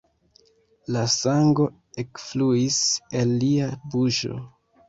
La sango ekfluis el lia buŝo.